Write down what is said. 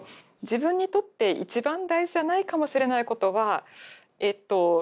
自分にとって一番大事じゃないかもしれないことはえっと